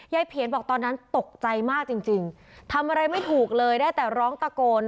เผียนบอกตอนนั้นตกใจมากจริงจริงทำอะไรไม่ถูกเลยได้แต่ร้องตะโกน